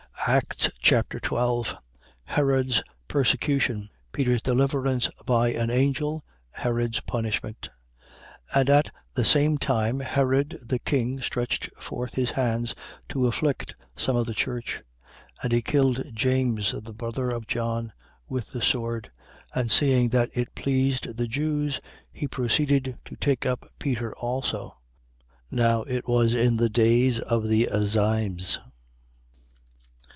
Acts Chapter 12 Herod's persecution. Peter's deliverance by an angel. Herod's punishment. 12:1. And at the same time, Herod the king stretched forth his hands, to afflict some of the church. 12:2. And he killed James, the brother of John, With the sword. 12:3. And seeing that it pleased the Jews, he proceeded to take up Peter also. Now it was in the days of the Azymes.